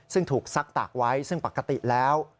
ซึ่งถูกซักตากไว้ซึ่งปกติแล้ว